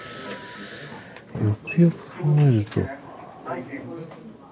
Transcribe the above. よくよく考えると。